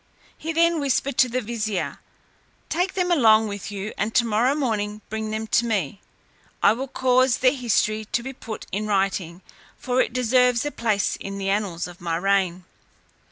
He then whispered to the vizier, "Take them along with you, and tomorrow morning bring them to me; I will cause their history to be put in writing, for it deserves a place in the annals of my reign."